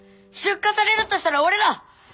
出荷されるとしたら俺だ！